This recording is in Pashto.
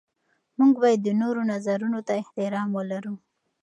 موږ باید د نورو نظرونو ته احترام ولرو.